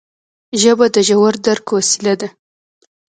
ژبه د ژور درک وسیله ده